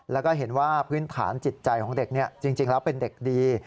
แล้วก็เห็นว่าพื้นฐานจิตใจของเด็กจริงแล้วเป็นเด็กดี